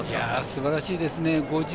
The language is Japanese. すばらしいですね。